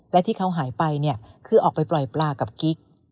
และที่เขาหายไปเนี่ยคือออกไปปล่อยปลากับกิ๊ก